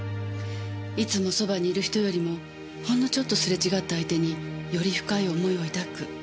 いつもそばにいる人よりもほんのちょっとすれ違った相手により深い思いを抱く。